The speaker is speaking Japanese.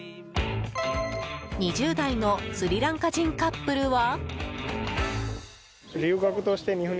２０代のスリランカ人カップルは？